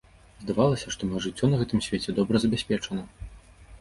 Здавалася, што маё жыццё на гэтым свеце добра забяспечана.